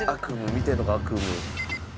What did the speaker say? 見てんのか悪夢。